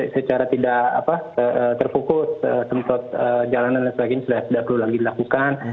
secara tidak terfokus semprot jalanan dan sebagainya sudah tidak perlu lagi dilakukan